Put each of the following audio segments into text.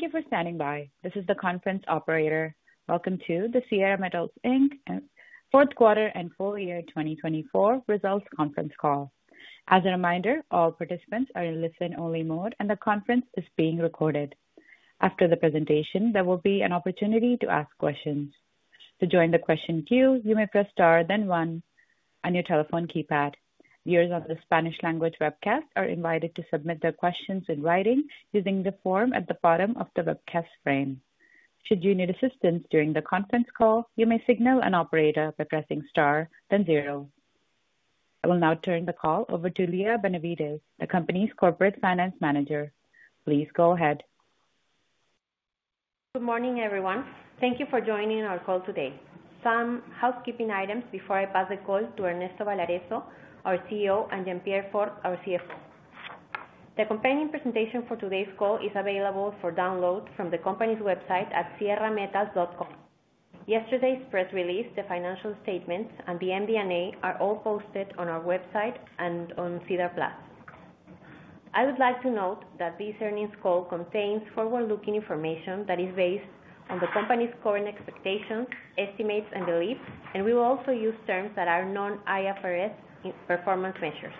Thank you for standing by. This is the conference operator. Welcome to the Sierra Metals Edmundo Guimaraes fourth quarter and full year 2024 results conference call. As a reminder, all participants are in listen-only mode, and the conference is being recorded. After the presentation, there will be an opportunity to ask questions. To join the question queue, you may press star then one on your telephone keypad. Viewers of the Spanish language webcast are invited to submit their questions in writing using the form at the bottom of the webcast frame. Should you need assistance during the conference call, you may signal an operator by pressing star then zero. I will now turn the call over to Lía Benavides, the company's Corporate Finance Manager. Please go ahead. Good morning, everyone. Thank you for joining our call today. Some housekeeping items before I pass the call to Ernesto Balarezo, our CEO, and Jean Pierre Fort, our CFO. The accompanying presentation for today's call is available for download from the company's website at sierra-metals.com. Yesterday's press release, the financial statements, and the MD&A are all posted on our website and on SEDAR+. I would like to note that this earnings call contains forward-looking information that is based on the company's current expectations, estimates, and beliefs, and we will also use terms that are non-IFRS performance measures.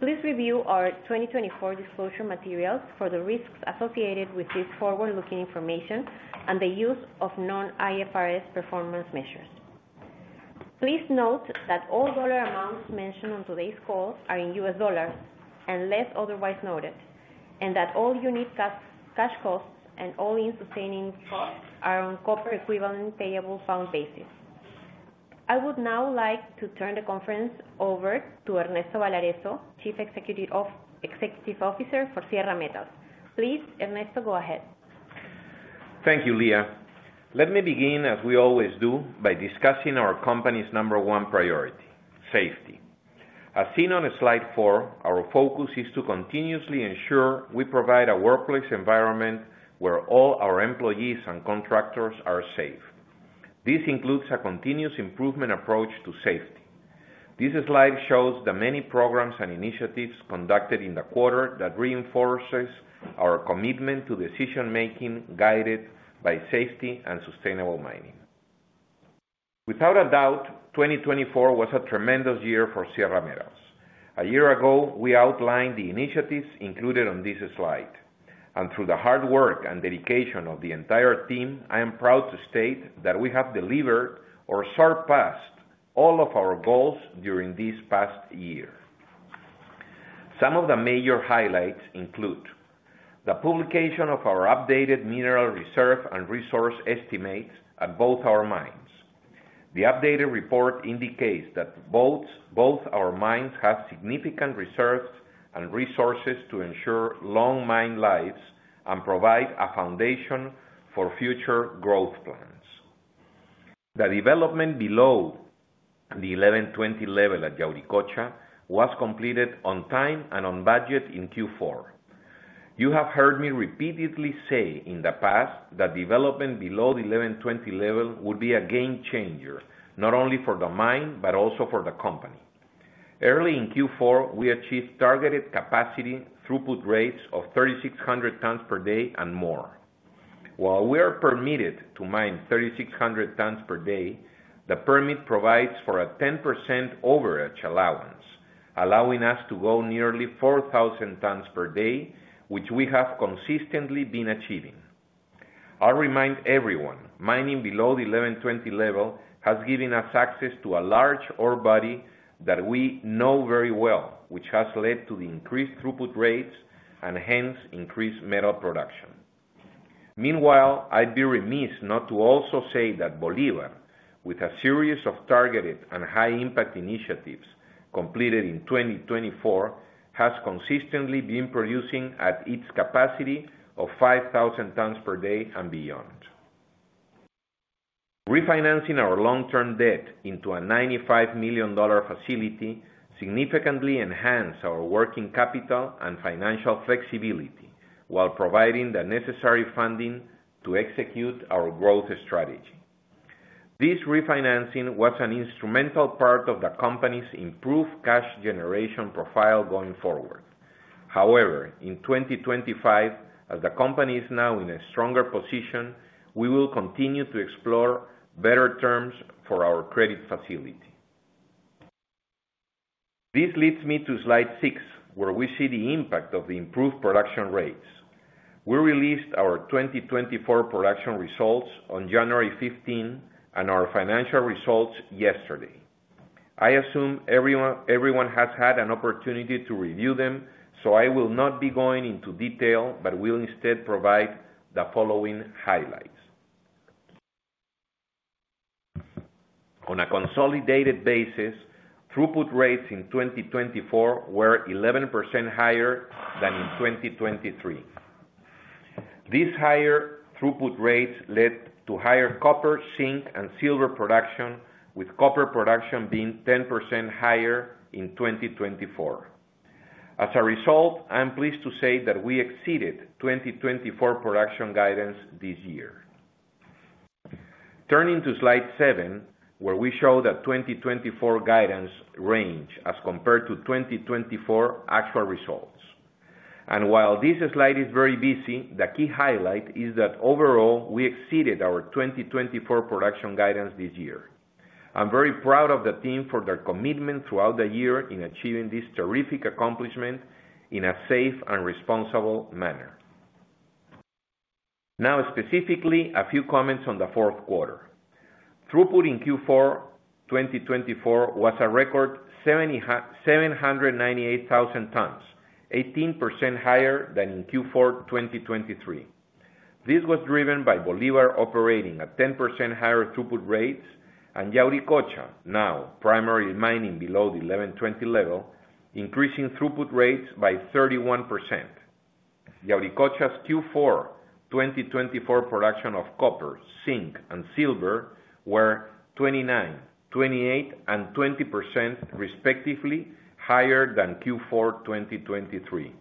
Please review our 2024 disclosure materials for the risks associated with this forward-looking information and the use of non-IFRS performance measures. Please note that all dollar amounts mentioned on today's call are in U.S. dollars unless otherwise noted, and that all unit cash costs and all-in sustaining costs are on copper-equivalent payable pound basis. I would now like to turn the conference over to Ernesto Balarezo, Chief Executive Officer for Sierra Metals. Please, Ernesto, go ahead. Thank you, Lía. Let me begin, as we always do, by discussing our company's number one priority: safety. As seen on Slide 4, our focus is to continuously ensure we provide a workplace environment where all our employees and contractors are safe. This includes a continuous improvement approach to safety. This slide shows the many programs and initiatives conducted in the quarter that reinforce our commitment to decision-making guided by safety and sustainable mining. Without a doubt, 2024 was a tremendous year for Sierra Metals. A year ago, we outlined the initiatives included on this slide, and through the hard work and dedication of the entire team, I am proud to state that we have delivered or surpassed all of our goals during this past year. Some of the major highlights include the publication of our updated mineral reserve and resource estimates at both our mines. The updated report indicates that both our mines have significant reserves and resources to ensure long mine lives and provide a foundation for future growth plans. The development below the 1120 level at Yauricocha was completed on time and on budget in Q4. You have heard me repeatedly say in the past that development below the 1120 level would be a game-changer, not only for the mine but also for the company. Early in Q4, we achieved targeted capacity throughput rates of 3,600 tons per day and more. While we are permitted to mine 3,600 tons per day, the permit provides for a 10% overage allowance, allowing us to go nearly 4,000 tons per day, which we have consistently been achieving. I'll remind everyone: mining below the 1120 level has given us access to a large ore body that we know very well, which has led to the increased throughput rates and hence increased metal production. Meanwhile, I'd be remiss not to also say that Bolivar, with a series of targeted and high-impact initiatives completed in 2024, has consistently been producing at its capacity of 5,000 tons per day and beyond. Refinancing our long-term debt into a $95 million facility significantly enhanced our working capital and financial flexibility while providing the necessary funding to execute our growth strategy. This refinancing was an instrumental part of the company's improved cash generation profile going forward. However, in 2025, as the company is now in a stronger position, we will continue to explore better terms for our credit facility. This leads me to Slide 6, where we see the impact of the improved production rates. We released our 2024 production results on January 15 and our financial results yesterday. I assume everyone has had an opportunity to review them, so I will not be going into detail but will instead provide the following highlights. On a consolidated basis, throughput rates in 2024 were 11% higher than in 2023. These higher throughput rates led to higher copper, zinc, and silver production, with copper production being 10% higher in 2024. As a result, I'm pleased to say that we exceeded 2024 production guidance this year. Turning to Slide 7, where we show the 2024 guidance range as compared to 2024 actual results. While this slide is very busy, the key highlight is that overall, we exceeded our 2024 production guidance this year. I'm very proud of the team for their commitment throughout the year in achieving this terrific accomplishment in a safe and responsible manner. Now, specifically, a few comments on the fourth quarter. Throughput in Q4 2024 was a record 798,000 tons, 18% higher than in Q4 2023. This was driven by Bolivar operating at 10% higher throughput rates, and Yauricocha, now primarily mining below the 1120 level, increasing throughput rates by 31%. Yauricocha's Q4 2024 production of copper, zinc, and silver were 29%, 28%, and 20% respectively higher than Q4 2023,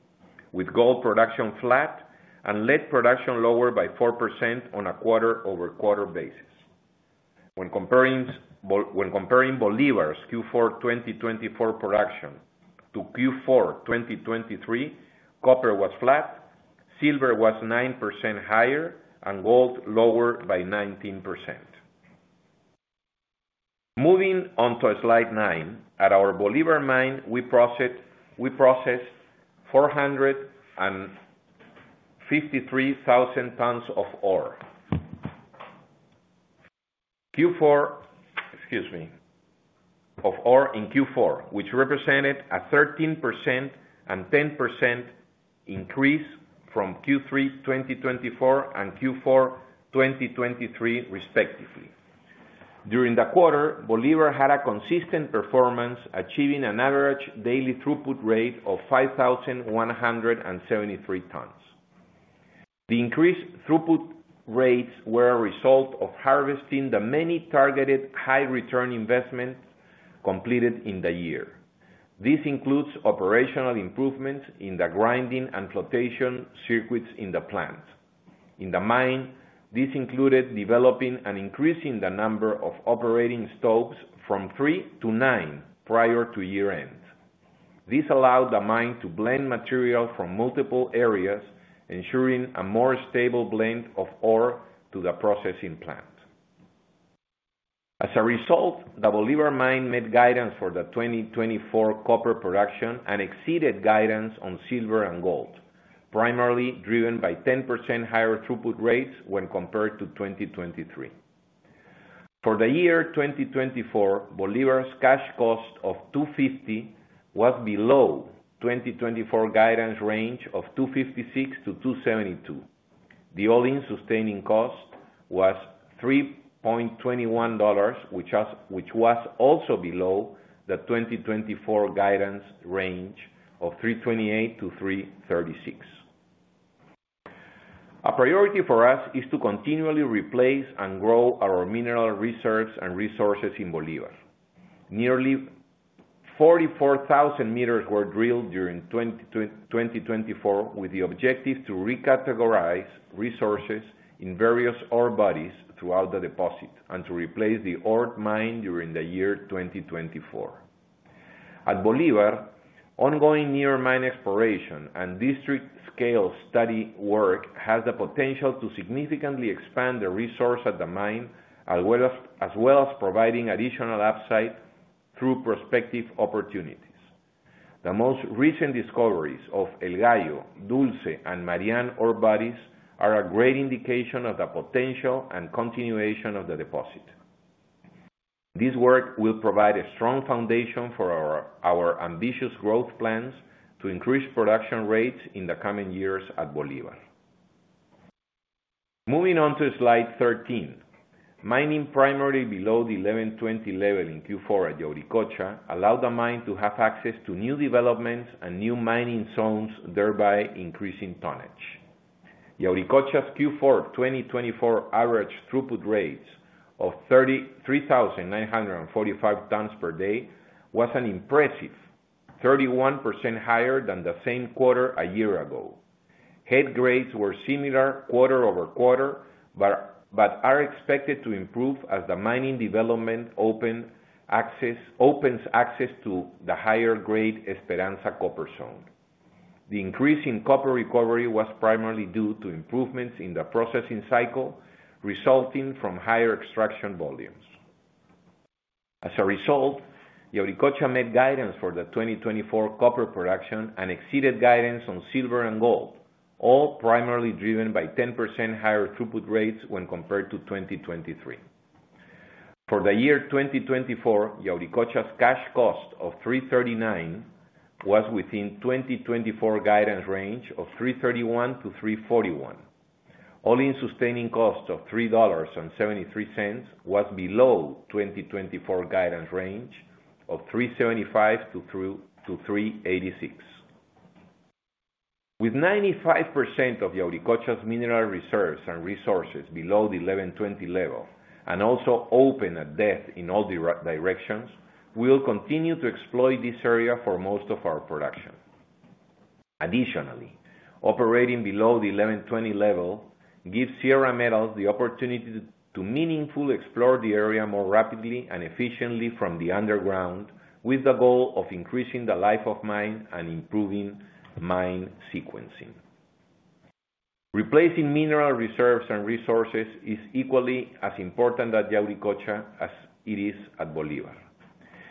with gold production flat and lead production lower by 4% on a quarter-over-quarter basis. When comparing Bolivar's Q4 2024 production to Q4 2023, copper was flat, silver was 9% higher, and gold lower by 19%. Moving on to Slide 9, at our Bolivar Mine, we processed 453,000 tons of ore in Q4, which represented a 13% and 10% increase from Q3 2024 and Q4 2023, respectively. During the quarter, Bolivar had a consistent performance, achieving an average daily throughput rate of 5,173 tons. The increased throughput rates were a result of harvesting the many targeted high-return investments completed in the year. This includes operational improvements in the grinding and flotation circuits in the plant. In the mine, this included developing and increasing the number of operating stopes from three to nine prior to year-end. This allowed the mine to blend material from multiple areas, ensuring a more stable blend of ore to the processing plant. As a result, the Bolivar Mine met guidance for the 2024 copper production and exceeded guidance on silver and gold, primarily driven by 10% higher throughput rates when compared to 2023. For the year 2024, Bolivar's cash cost of $250 was below the 2024 guidance range of $256 to $272. The all-in sustaining cost was $3.21, which was also below the 2024 guidance range of $328-$336. A priority for us is to continually replace and grow our mineral reserves and resources in Bolivar. Nearly 44,000 meters were drilled during 2024 with the objective to recategorize resources in various ore bodies throughout the deposit and to replace the ore mined during the year 2024. At Bolivar, ongoing near-mine exploration and district-scale study work has the potential to significantly expand the resource at the mine, as well as providing additional upside through prospective opportunities. The most recent discoveries of El Gallo, Dulce, and Marian ore bodies are a great indication of the potential and continuation of the deposit. This work will provide a strong foundation for our ambitious growth plans to increase production rates in the coming years at Bolivar. Moving on to Slide 13, mining primarily below the 1120 level in Q4 at Yauricocha allowed the mine to have access to new developments and new mining zones, thereby increasing tonnage. Yauricocha's Q4 2024 average throughput rates of 3,945 tons per day was an impressive 31% higher than the same quarter a year ago. Head grades were similar quarter over quarter but are expected to improve as the mining development opens access to the higher-grade Esperanza Copper Zone. The increase in copper recovery was primarily due to improvements in the processing cycle resulting from higher extraction volumes. As a result, Yauricocha met guidance for the 2024 copper production and exceeded guidance on silver and gold, all primarily driven by 10% higher throughput rates when compared to 2023. For the year 2024, Yauricocha's cash cost of $339 was within 2024 guidance range of $331-$341. All-in sustaining cost of $3.73 was below 2024 guidance range of $3.75-$3.86. With 95% of Yauricocha's mineral reserves and resources below the 1120 level and also open at depth in all directions, we will continue to exploit this area for most of our production. Additionally, operating below the 1120 level gives Sierra Metals the opportunity to meaningfully explore the area more rapidly and efficiently from the underground, with the goal of increasing the life of mine and improving mine sequencing. Replacing mineral reserves and resources is equally as important at Yauricocha as it is at Bolivar.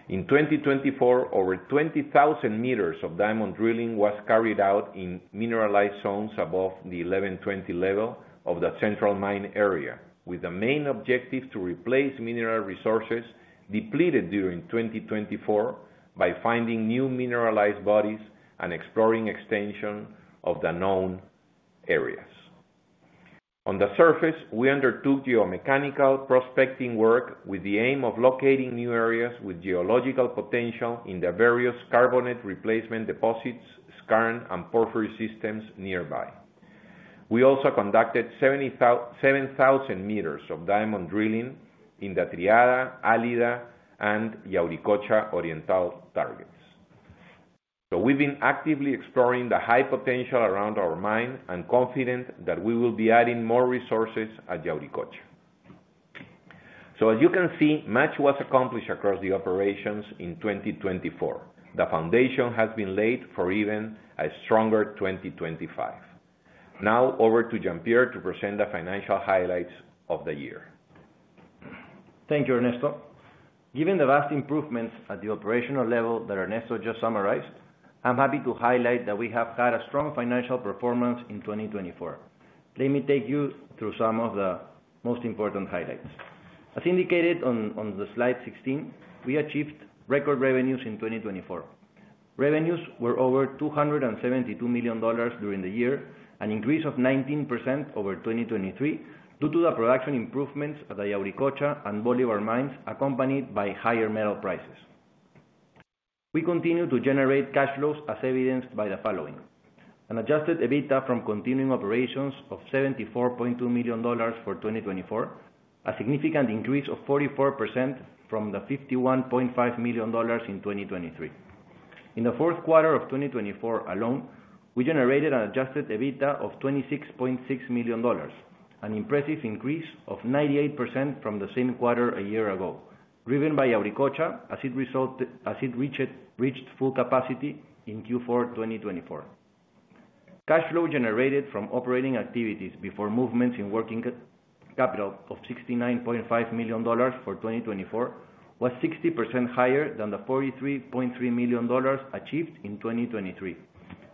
In 2024, over 20,000 meters of diamond drilling was carried out in mineralized zones above the 1120 level of the central mine area, with the main objective to replace mineral resources depleted during 2024 by finding new mineralized bodies and exploring extension of the known areas. On the surface, we undertook geomechanical prospecting work with the aim of locating new areas with geological potential in the various carbonate replacement deposits, skarn, and porphyry systems nearby. We also conducted 7,000 m of diamond drilling in the Triada, Álida, and Yauricocha Oriental targets. We have been actively exploring the high potential around our mine and are confident that we will be adding more resources at Yauricocha. As you can see, much was accomplished across the operations in 2024. The foundation has been laid for even a stronger 2025. Now, over to Jean Pierre to present the financial highlights of the year. Thank you, Ernesto. Given the vast improvements at the operational level that Ernesto just summarized, I'm happy to highlight that we have had a strong financial performance in 2024. Let me take you through some of the most important highlights. As indicated on the Slide 16, we achieved record revenues in 2024. Revenues were over $272 million during the year, an increase of 19% over 2023 due to the production improvements at the Yauricocha and Bolivar mines, accompanied by higher metal prices. We continue to generate cash flows, as evidenced by the following: an adjusted EBITDA from continuing operations of $74.2 million for 2024, a significant increase of 44% from the $51.5 million in 2023. In the fourth quarter of 2024 alone, we generated an adjusted EBITDA of $26.6 million, an impressive increase of 98% from the same quarter a year ago, driven by Yauricocha as it reached full capacity in Q4 2024. Cash flow generated from operating activities before movements in working capital of $69.5 million for 2024 was 60% higher than the $43.3 million achieved in 2023.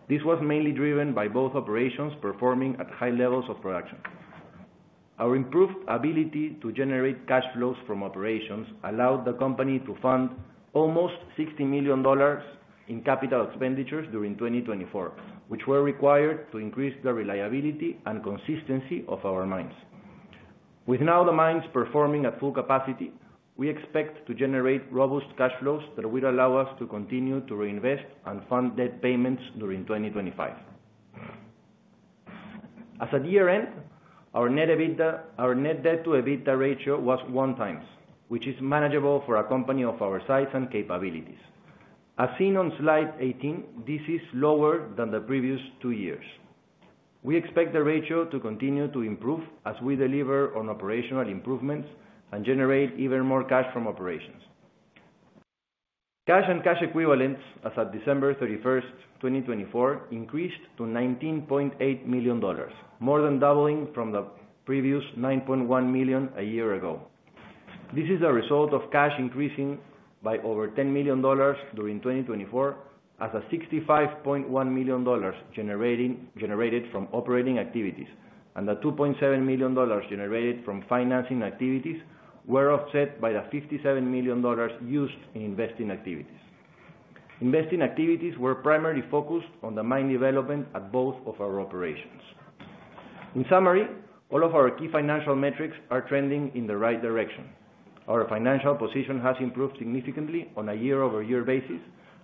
This was mainly driven by both operations performing at high levels of production. Our improved ability to generate cash flows from operations allowed the company to pound almost $60 million in capital expenditures during 2024, which were required to increase the reliability and consistency of our mines. With now the mines performing at full capacity, we expect to generate robust cash flows that will allow us to continue to reinvest and pound debt payments during 2025. As of year-end, our net debt-to-EBITDA ratio was one times, which is manageable for a company of our size and capabilities. As seen on Slide 18, this is lower than the previous two years. We expect the ratio to continue to improve as we deliver on operational improvements and generate even more cash from operations. Cash and cash equivalents, as of December 31st, 2024, increased to $19.8 million, more than doubling from the previous $9.1 million a year ago. This is the result of cash increasing by over $10 million during 2024, as the $65.1 million generated from operating activities and the $2.7 million generated from financing activities were offset by the $57 million used in investing activities. Investing activities were primarily focused on the mine development at both of our operations. In summary, all of our key financial metrics are trending in the right direction. Our financial position has improved significantly on a year-over-year basis,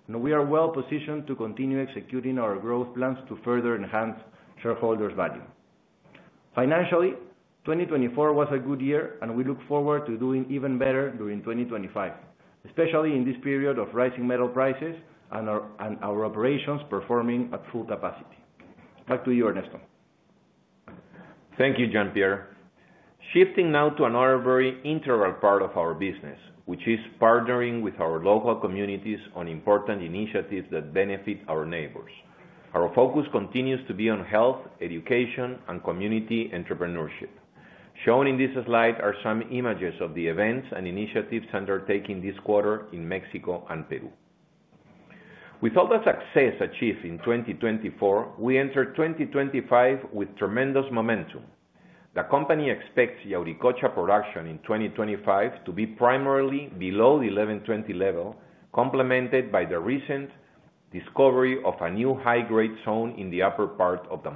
and we are well positioned to continue executing our growth plans to further enhance shareholders' value. Financially, 2024 was a good year, and we look forward to doing even better during 2025, especially in this period of rising metal prices and our operations performing at full capacity. Back to you, Ernesto. Thank you, Jean Pierre. Shifting now to another very integral part of our business, which is partnering with our local communities on important initiatives that benefit our neighbors. Our focus continues to be on health, education, and community entrepreneurship. Shown in this slide are some images of the events and initiatives undertaken this quarter in Mexico and Peru. With all the success achieved in 2024, we enter 2025 with tremendous momentum. The company expects Yauricocha production in 2025 to be primarily below the 1120 level, complemented by the recent discovery of a new high-grade zone in the upper part of the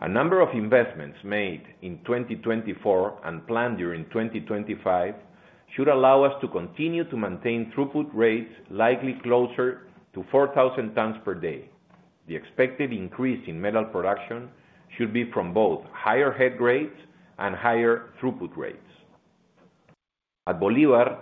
mine. A number of investments made in 2024 and planned during 2025 should allow us to continue to maintain throughput rates likely closer to 4,000 tons per day. The expected increase in metal production should be from both higher head grades and higher throughput rates. At Bolivar,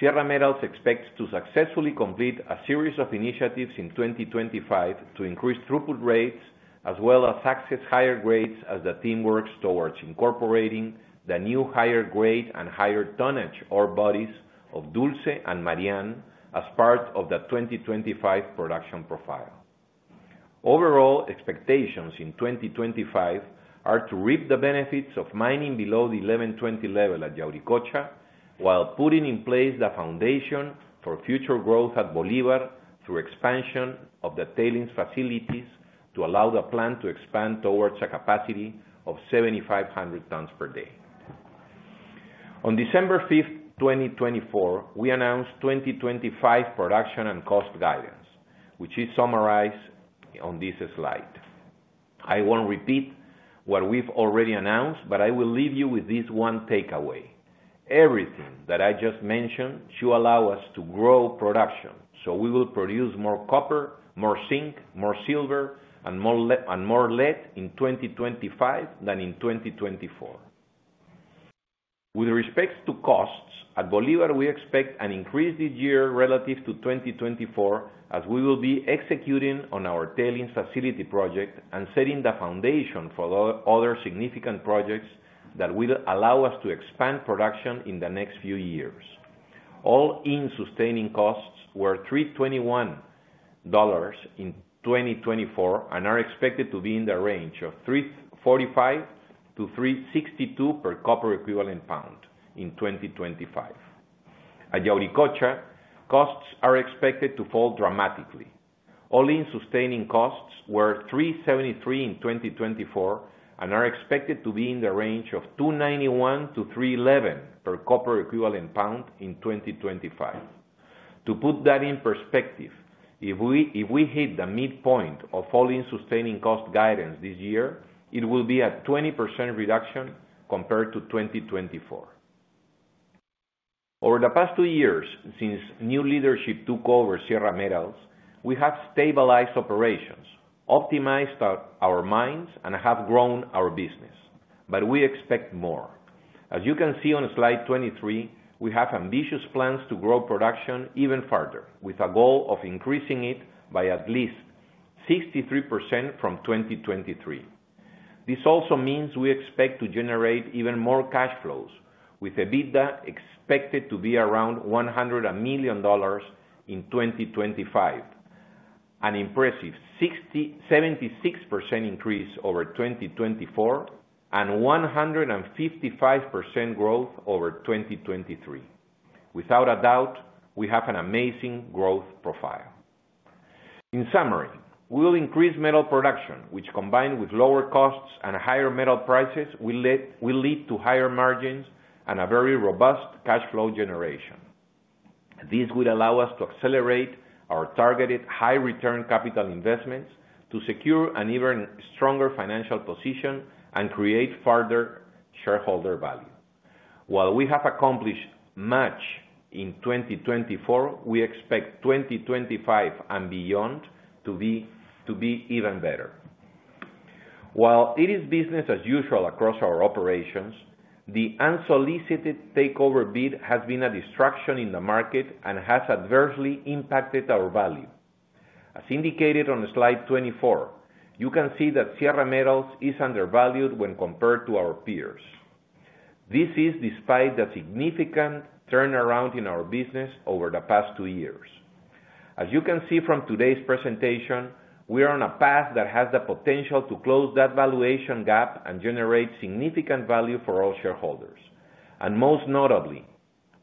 Sierra Metals expects to successfully complete a series of initiatives in 2025 to increase throughput rates as well as access higher grades as the team works towards incorporating the new higher-grade and higher-tonnage ore bodies of Dulce and Marian as part of the 2025 production profile. Overall, expectations in 2025 are to reap the benefits of mining below the 1120 level at Yauricocha while putting in place the foundation for future growth at Bolivar through expansion of the tailings facilities to allow the plant to expand towards a capacity of 7,500 tons per day. On December 5, 2024, we announced 2025 production and cost guidance, which is summarized on this slide. I won't repeat what we've already announced, but I will leave you with this one takeaway. Everything that I just mentioned should allow us to grow production, so we will produce more copper, more zinc, more silver, and more lead in 2025 than in 2024. With respect to costs, at Bolivar, we expect an increase this year relative to 2024, as we will be executing on our tailings facility project and setting the foundation for other significant projects that will allow us to expand production in the next few years. All-in sustaining costs were $321 in 2024 and are expected to be in the range of $345-$362 per copper equivalent pound in 2025. At Yauricocha, costs are expected to fall dramatically. All-in sustaining costs were $373 in 2024 and are expected to be in the range of $291-$311 per copper equivalent pound in 2025. To put that in perspective, if we hit the midpoint of all-in sustaining cost guidance this year, it will be a 20% reduction compared to 2024. Over the past two years, since new leadership took over Sierra Metals, we have stabilized operations, optimized our mines, and have grown our business. We expect more. As you can see on Slide 23, we have ambitious plans to grow production even further, with a goal of increasing it by at least 63% from 2023. This also means we expect to generate even more cash flows, with EBITDA expected to be around $100 million in 2025, an impressive 76% increase over 2024, and 155% growth over 2023. Without a doubt, we have an amazing growth profile. In summary, we will increase metal production, which, combined with lower costs and higher metal prices, will lead to higher margins and a very robust cash flow generation. This will allow us to accelerate our targeted high-return capital investments to secure an even stronger financial position and create further shareholder value. While we have accomplished much in 2024, we expect 2025 and beyond to be even better. While it is business as usual across our operations, the unsolicited takeover bid has been a distraction in the market and has adversely impacted our value. As indicated on Slide 24, you can see that Sierra Metals is undervalued when compared to our peers. This is despite the significant turnaround in our business over the past two years. As you can see from today's presentation, we are on a path that has the potential to close that valuation gap and generate significant value for all shareholders. Most notably,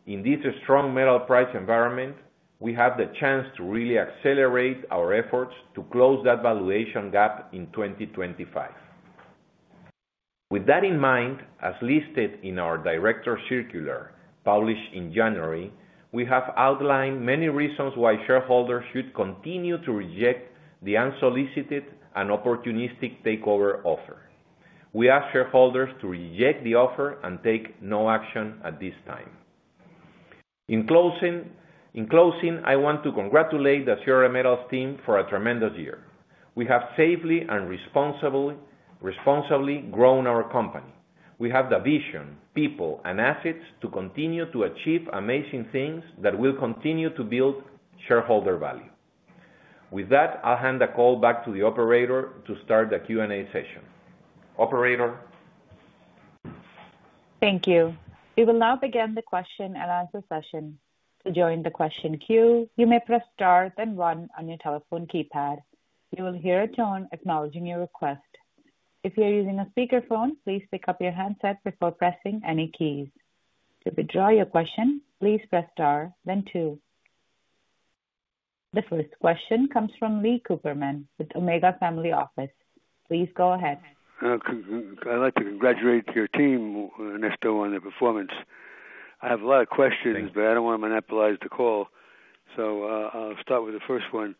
in this strong metal price environment, we have the chance to really accelerate our efforts to close that valuation gap in 2025. With that in mind, as listed in our director circular published in January, we have outlined many reasons why shareholders should continue to reject the unsolicited and opportunistic takeover offer. We ask shareholders to reject the offer and take no action at this time. In closing, I want to congratulate the Sierra Metals team for a tremendous year. We have safely and responsibly grown our company. We have the vision, people, and assets to continue to achieve amazing things that will continue to build shareholder value. With that, I'll hand the call back to the operator to start the Q&A session. Operator. Thank you. We will now begin the question and answer session. To join the question queue, you may press star then one on your telephone keypad. You will hear a tone acknowledging your request. If you're using a speakerphone, please pick up your handset before pressing any keys. To withdraw your question, please press star then two. The first question comes from Lee Cooperman with Omega Family Office. Please go ahead. I'd like to congratulate your team, Ernesto, on their performance. I have a lot of questions, but I don't want to monopolize the call. I'll start with the first one.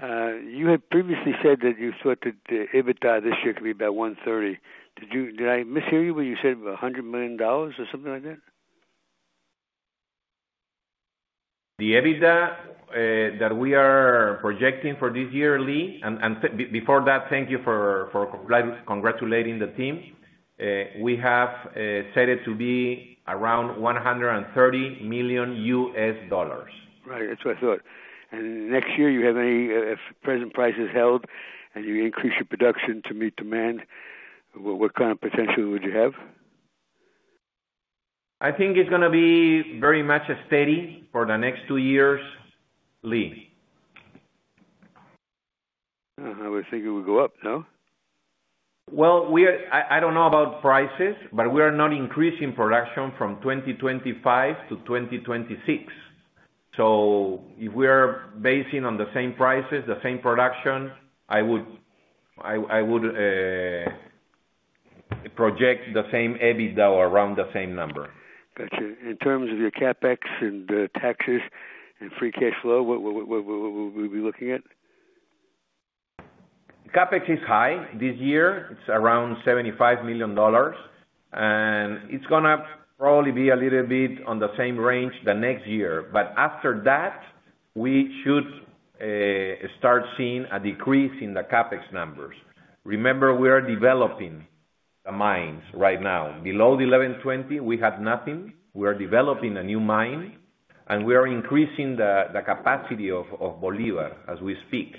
You had previously said that you thought that the EBITDA this year could be about $130 million. Did I mishear you when you said $100 million or something like that? The EBITDA that we are projecting for this year, Lee, and before that, thank you for congratulating the team. We have set it to be around $130 million. Right, that's what I thought. Next year, you have any present prices held and you increase your production to meet demand, what kind of potential would you have? I think it's going to be very much steady for the next two years, Lee. I was thinking it would go up, no? I don't know about prices, but we are not increasing production from 2025 to 2026. If we are basing on the same prices, the same production, I would project the same EBITDA or around the same number. Gotcha. In terms of your CapEx and taxes and free cash flow, what would we be looking at? CapEx is high this year. It's around $75 million. It's going to probably be a little bit on the same range the next year. After that, we should start seeing a decrease in the CapEx numbers. Remember, we are developing the mines right now. Below the 1120, we have nothing. We are developing a new mine, and we are increasing the capacity of Bolivar as we speak.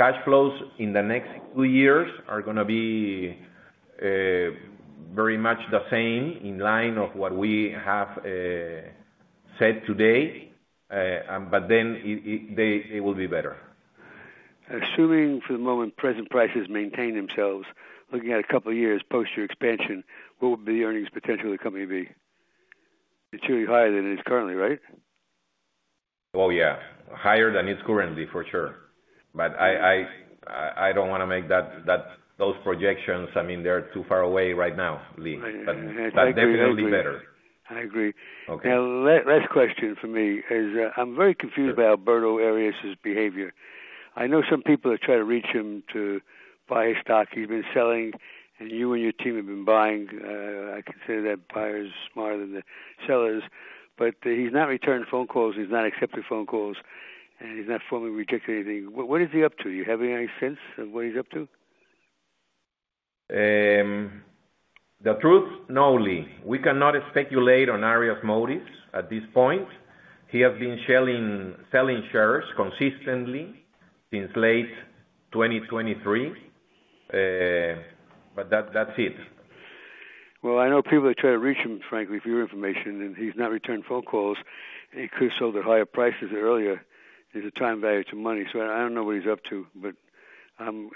Cash flows in the next two years are going to be very much the same in line of what we have said today, but then it will be better. Assuming for the moment present prices maintain themselves, looking at a couple of years post your expansion, what would be the earnings potential of the company be? It's surely higher than it is currently, right? Yeah. Higher than it's currently, for sure. I don't want to make those projections. I mean, they're too far away right now, Lee. Definitely better. I agree. Last question for me is I'm very confused by Alberto Arias' behavior. I know some people are trying to reach him to buy his stock. He's been selling, and you and your team have been buying. I consider that buyers smarter than the sellers. He's not returning phone calls. He's not accepting phone calls, and he's not formally rejecting anything. What is he up to? Do you have any sense of what he's up to? The truth, no, Lee. We cannot speculate on Arias's motives at this point. He has been selling shares consistently since late 2023, but that's it. I know people that try to reach him, frankly, for your information, and he's not returning phone calls. He could have sold at higher prices earlier due to time value to money. I don't know what he's up to, but I'm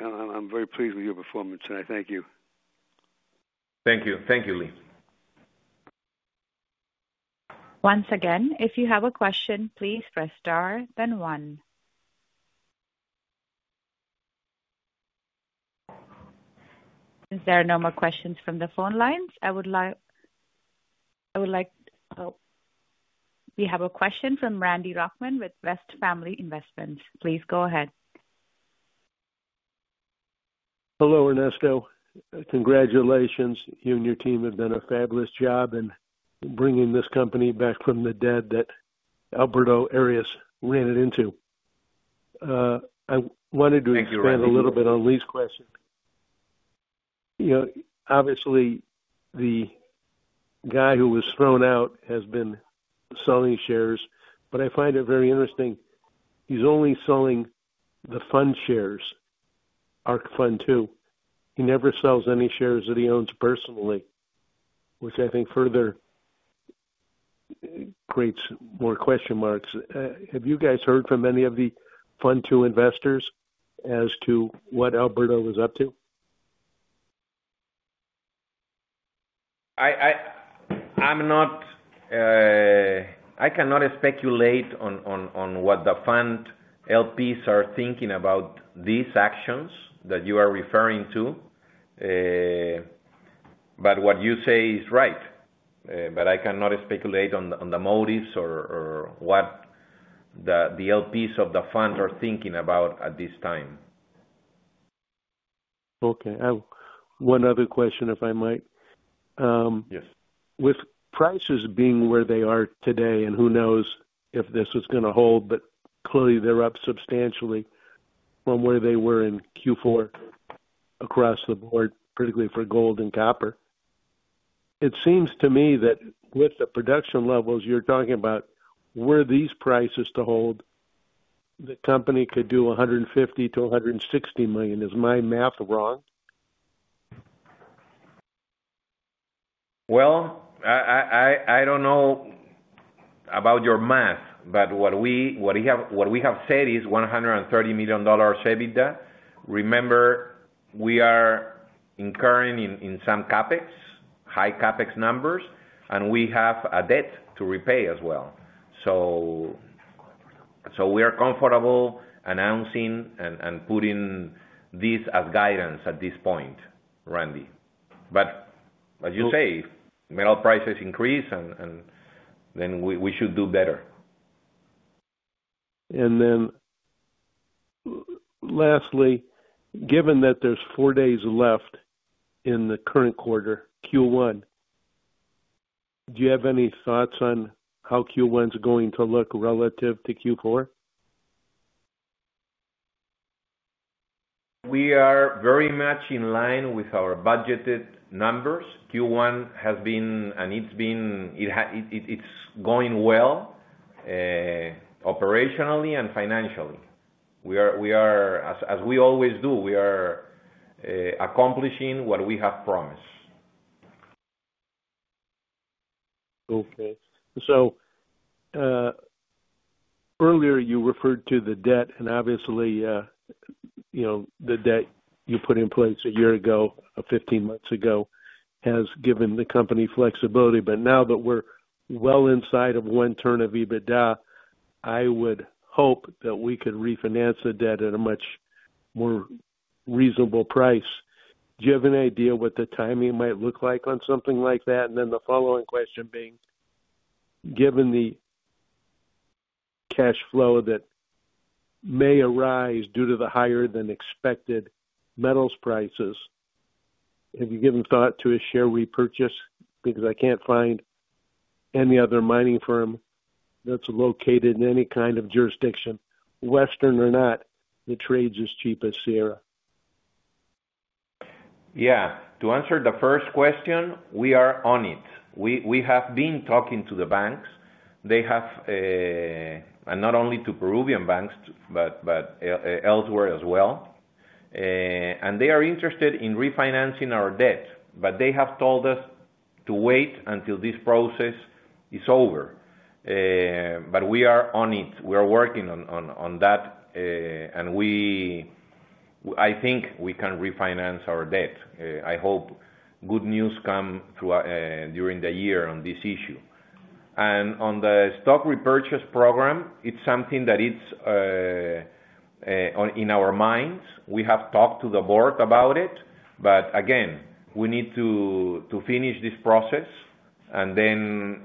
very pleased with your performance, and I thank you. Thank you. Thank you, Lee. Once again, if you have a question, please press star then one. Since there are no more questions from the phone lines, I would like to—oh, we have a question from Randy Rochman with West Family Investments. Please go ahead. Hello, Ernesto. Congratulations. You and your team have done a fabulous job in bringing this company back from the dead that Alberto Arias ran into. I wanted to expand a little bit on Lee's question. Obviously, the guy who was thrown out has been selling shares, but I find it very interesting. He's only selling the pound shares, ARC Fund II. He never sells any shares that he owns personally, which I think further creates more question marks. Have you guys heard from any of the Fund II investors as to what Alberto is up to? I cannot speculate on what the pound LPs are thinking about these actions that you are referring to, what you say is right. I cannot speculate on the motives or what the LPs of the pound are thinking about at this time. Okay. One other question, if I might. Yes. With prices being where they are today, and who knows if this is going to hold, but clearly they're up substantially from where they were in Q4 across the board, particularly for gold and copper. It seems to me that with the production levels you're talking about, were these prices to hold, the company could do $150 million to $160 million. Is my math wrong? I don't know about your math, but what we have said is $130 million EBITDA. Remember, we are incurring in some CapEx, high CapEx numbers, and we have a debt to repay as well. We are comfortable announcing and putting this as guidance at this point, Randy. As you say, metal prices increase, and then we should do better. Lastly, given that there are four days left in the current quarter, Q1, do you have any thoughts on how Q1 is going to look relative to Q4? We are very much in line with our budgeted numbers. Q1 has been, and it is going well operationally and financially. As we always do, we are accomplishing what we have promised. Okay. Earlier, you referred to the debt, and obviously, the debt you put in place a year ago, 15 months ago, has given the company flexibility. Now that we are well inside of one turn of EBITDA, I would hope that we could refinance the debt at a much more reasonable price. Do you have an idea what the timing might look like on something like that? The following question being, given the cash flow that may arise due to the higher-than-expected metals prices, have you given thought to a share repurchase? Because I can't find any other mining firm that's located in any kind of jurisdiction, Western or not, that trades as cheap as Sierra. Yeah. To answer the first question, we are on it. We have been talking to the banks, and not only to Peruvian banks, but elsewhere as well. They are interested in refinancing our debt, but they have told us to wait until this process is over. We are on it. We are working on that, and I think we can refinance our debt. I hope good news comes during the year on this issue. On the stock repurchase program, it's something that is in our minds. We have talked to the board about it, but again, we need to finish this process and then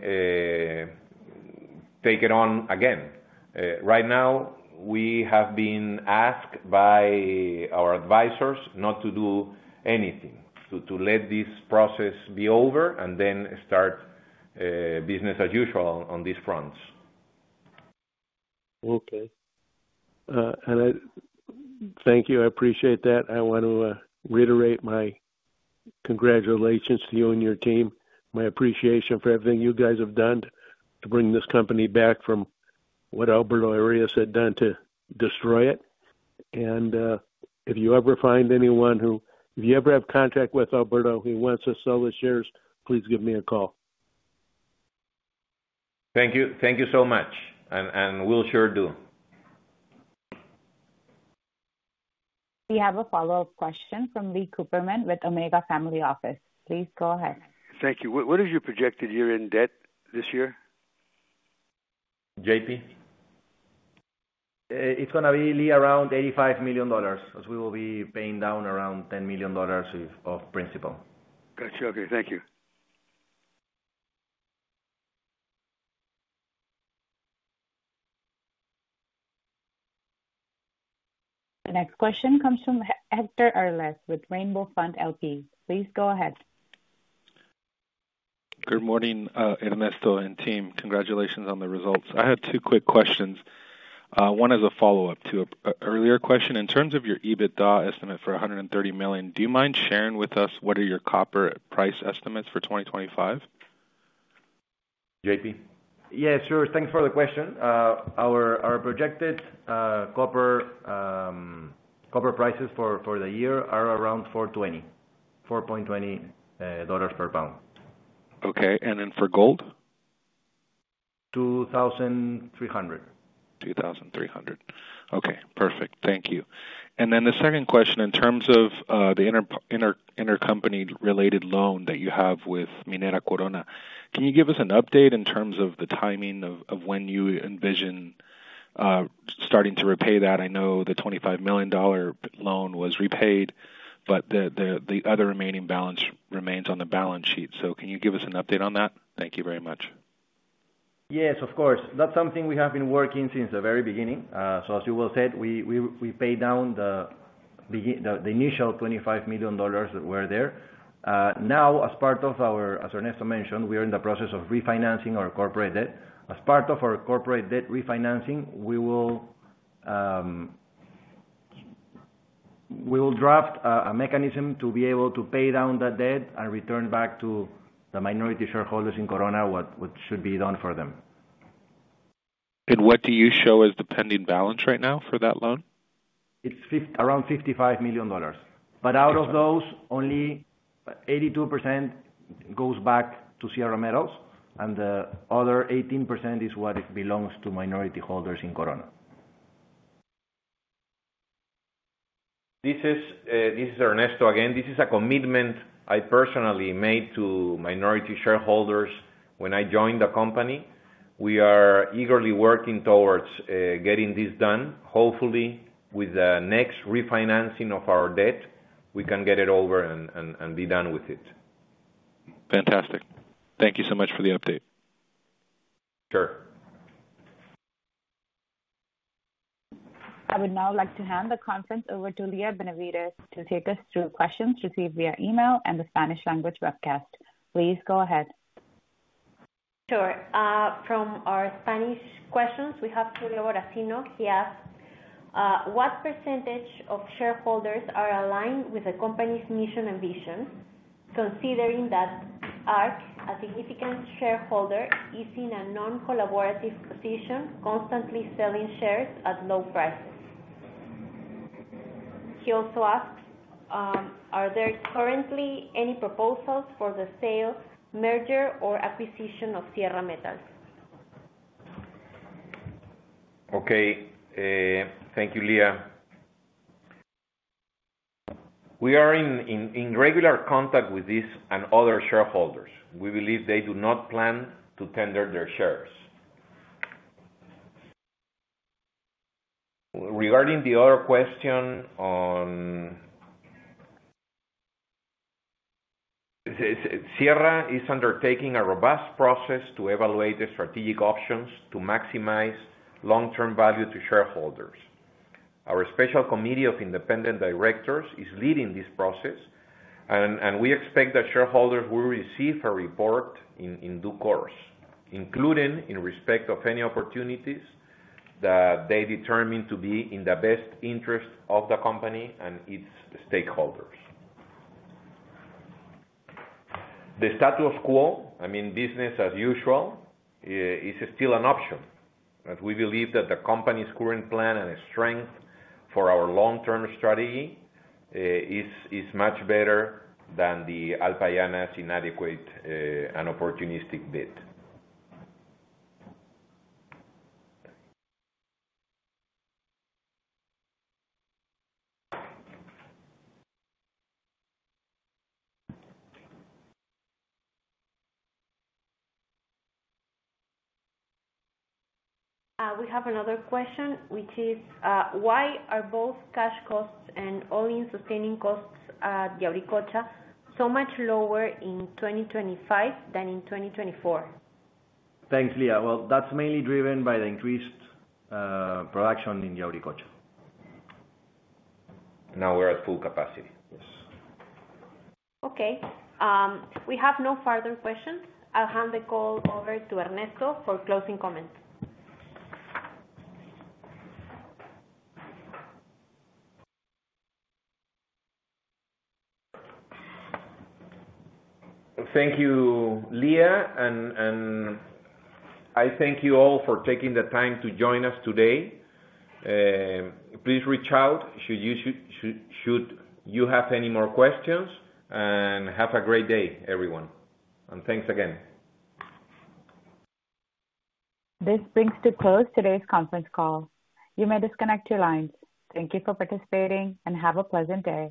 take it on again. Right now, we have been asked by our advisors not to do anything, to let this process be over and then start business as usual on these fronts. Okay. Thank you. I appreciate that. I want to reiterate my congratulations to you and your team, my appreciation for everything you guys have done to bring this company back from what Alberto Arias had done to destroy it. If you ever find anyone who—if you ever have contact with Alberto who wants to sell his shares, please give me a call. Thank you. Thank you so much. We will sure do. We have a follow-up question from Lee Cooperman with Omega Family Office. Please go ahead. Thank you. What is your projected year-end debt this year? JP. It's going to be around $85 million, as we will be paying down around $10 million of principal. Gotcha. Okay. Thank you. The next question comes from Hector Arles with Rainbow Fund LP. Please go ahead. Good morning, Ernesto and team. Congratulations on the results. I had two quick questions. One is a follow-up to an earlier question. In terms of your EBITDA estimate for $130 million, do you mind sharing with us what are your copper price estimates for 2025? JP. Yeah, sure. Thanks for the question. Our projected copper prices for the year are around $4.20, $4.20 per pound. Okay. And then for gold? $2,300. $2,300. Okay. Perfect. Thank you. And then the second question, in terms of the intercompany-related loan that you have with Minera Corona, can you give us an update in terms of the timing of when you envision starting to repay that? I know the $25 million loan was repaid, but the other remaining balance remains on the balance sheet. Can you give us an update on that? Thank you very much. Yes, of course. That is something we have been working on since the very beginning. As you well said, we paid down the initial $25 million that were there. Now, as part of our—as Ernesto mentioned, we are in the process of refinancing our corporate debt. As part of our corporate debt refinancing, we will draft a mechanism to be able to pay down that debt and return back to the minority shareholders in Corona what should be done for them. What do you show as the pending balance right now for that loan? It is around $55 million. But out of those, only 82% goes back to Sierra Metals, and the other 18% is what belongs to minority holders in Corona. This is Ernesto again. This is a commitment I personally made to minority shareholders when I joined the company. We are eagerly working towards getting this done. Hopefully, with the next refinancing of our debt, we can get it over and be done with it. Fantastic. Thank you so much for the update. Sure. I would now like to hand the conference over to Lía Benavides to take us through questions received via email and the Spanish language webcast. Please go ahead. Sure. From our Spanish questions, we have Julio Baracino. He asked, "What percentage of shareholders are aligned with the company's mission and vision, considering that ARC, a significant shareholder, is in a non-collaborative position, constantly selling shares at low prices?" He also asked, "Are there currently any proposals for the sale, merger, or acquisition of Sierra Metals?" Okay. Thank you, Lía. We are in regular contact with these and other shareholders. We believe they do not plan to tender their shares. Regarding the other question on Sierra is undertaking a robust process to evaluate the strategic options to maximize long-term value to shareholders. Our special committee of independent directors is leading this process, and we expect that shareholders will receive a report in due course, including in respect of any opportunities that they determine to be in the best interest of the company and its stakeholders. The status quo, I mean, business as usual, is still an option. We believe that the company's current plan and strength for our long-term strategy is much better than the Alpayana's inadequate and opportunistic bid. We have another question, which is, "Why are both cash costs and all-in sustaining costs at the Yauricocha so much lower in 2025 than in 2024?" Thanks, Lía. That is mainly driven by the increased production in the Yauricocha. Now we are at full capacity. Yes. Okay. We have no further questions. I will hand the call over to Ernesto for closing comments. Thank you, Lía. I thank you all for taking the time to join us today. Please reach out should you have any more questions. Have a great day, everyone. Thanks again. This brings to a close today's conference call. You may disconnect your lines. Thank you for participating and have a pleasant day.